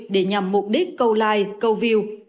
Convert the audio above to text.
để nhằm mục đích câu like câu view